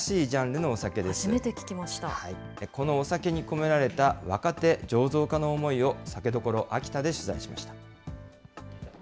このお酒に込められた、若手醸造家の思いを酒所、秋田で取材しました。